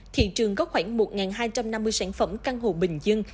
thị trường có khoảng một hai trăm năm mươi sản phẩm căn hộ bình dân